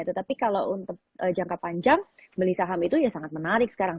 tetapi kalau untuk jangka panjang beli saham itu ya sangat menarik sekarang